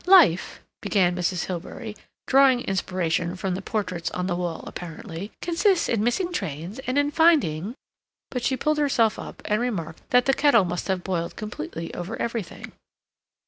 "Life," began Mrs. Hilbery, drawing inspiration from the portraits on the wall apparently, "consists in missing trains and in finding—" But she pulled herself up and remarked that the kettle must have boiled completely over everything.